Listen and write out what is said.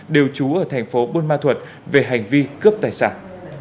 đều chú ở thành phố quân ban thuật về hành vi cướp tài sản